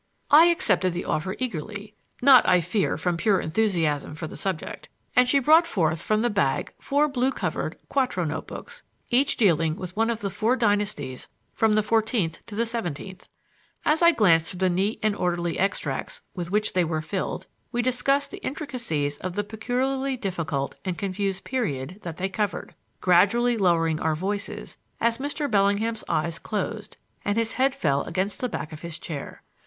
I accepted the offer eagerly (not, I fear, from pure enthusiasm for the subject), and she brought forth from the bag four blue covered, quarto notebooks, each dealing with one of the four dynasties from the fourteenth to the seventeenth. As I glanced through the neat and orderly extracts with which they were filled we discussed the intricacies of the peculiarly difficult and confused period that they covered, gradually lowering our voices as Mr. Bellingham's eyes closed and his head fell against the back of his chair.